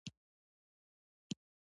ګوښه کېدل او سر نه خلاصول کمزوري ده.